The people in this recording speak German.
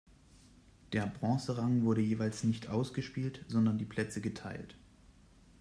Der Bronzerang wurde jeweils nicht ausgespielt, sondern die Plätze geteilt.